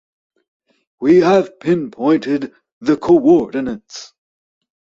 We have pinpointed the co-ordinates.